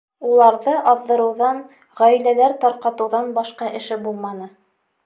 Уларҙы аҙҙырыуҙан, ғаиләләр тарҡатыуҙан башҡа эше булманы.